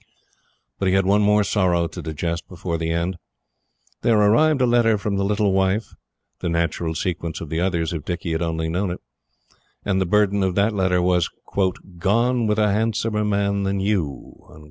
But he had one more sorrow to digest before the end. There arrived a letter from the little wife the natural sequence of the others if Dicky had only known it and the burden of that letter was "gone with a handsomer man than you."